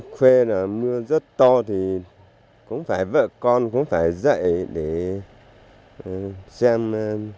khuê là mưa rất to thì cũng phải vợ con cũng phải dậy để xem